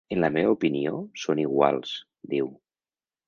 En la meva opinió, són iguals, diu.